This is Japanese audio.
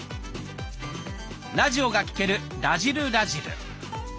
ラジオが聴ける「らじる★らじる」。